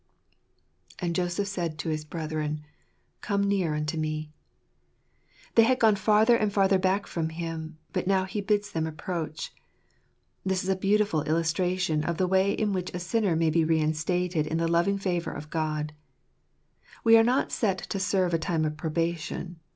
''*" And Joseph said unto his brethren , Come near unto me A They had gone farther and farther back from him ; but now he bids them approach. This is a beautiful illustration of the way in which a sinner may be reinstated in the loving favour of God. We are not set to serve a time of probation.